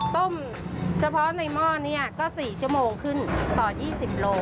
ต้มเฉพาะในหม้อนี้ก็๔ชั่วโมงขึ้นต่อ๒๐โล